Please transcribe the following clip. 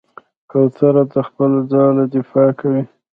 کوتره د خپل ځاله دفاع کوي.